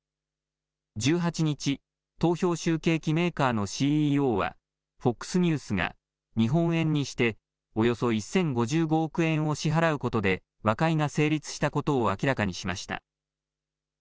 １８日、投票集計機メーカーのＣＥＯは、ＦＯＸニュースが日本円にしておよそ１０５５億円を支払うことで和解が成立したことを明らかにしました。